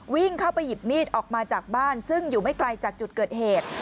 วิ่งเข้าไปหยิบมีดออกมาจากบ้านซึ่งอยู่ไม่ไกลจากจุดเกิดเหตุ